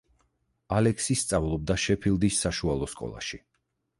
ალექსი სწავლობდა შეფილდის საშუალო სკოლაში.